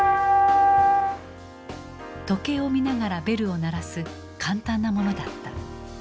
時計を見ながらベルを鳴らす簡単なものだった。